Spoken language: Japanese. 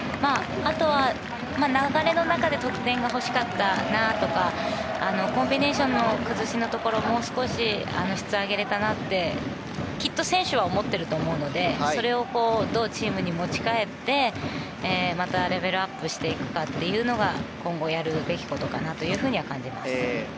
あとは流れの中で得点が欲しかったなとかコンビネーションの崩しのところもう少し質を上げられたなってきっと選手は思ってると思うのでそれをどうチームに持ち帰ってまたレベルアップしていくかが今後やるべきことかなと感じます。